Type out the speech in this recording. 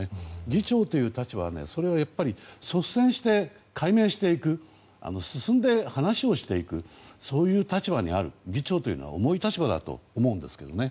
議長という立場はそれをやっぱり率先して解明していく進んで話をしていくそういう立場にある議長というのは重い立場だと思うんですけどね。